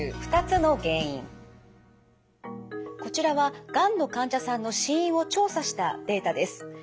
こちらはがんの患者さんの死因を調査したデータです。